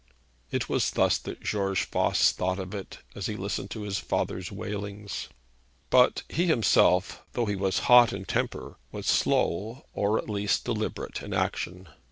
It was thus that George Voss thought of it as he listened to his father's wailings. But he himself, though he was hot in temper, was slow, or at least deliberate, in action.